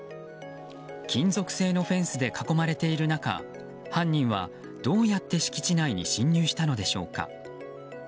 金属製のフェンスで囲まれている中犯人はどうやって敷地内に侵入したのでしょうか。